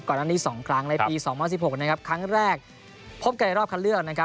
ก่อนนั้นที่๒ครั้งในปี๒๐๑๖ครั้งแรกพบกันในรอบคันเลือก